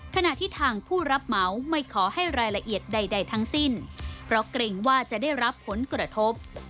ขณะที่ทางผู้รับเหมาไม่ขอให้รายละเอียดใดทั้งสิ้นเพราะเกรงว่าจะได้รับผลกระทบ